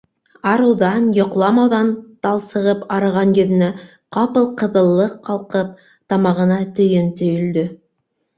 Арыуҙан, йоҡламауҙан талсығып арыған йөҙөнә ҡапыл ҡыҙыллыҡ ҡалҡып, тамағына төйөн төйөлдө.